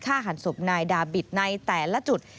หันศพนายดาบิตในแต่ละจุด